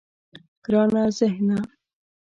گرانه ذهنه.